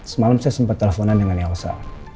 semalam saya sempat teleponan dengan yosa